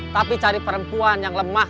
tapi cari perempuan yang lemah